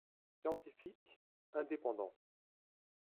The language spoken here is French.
Scientifique, indépendant.